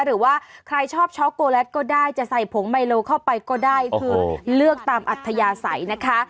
หรือว่าใครชอบช็อกโกแลตก็ได้จะใส่ผงไมโลเข้าไปก็ได้คือเลือกตามอัธยาศัยนะคะ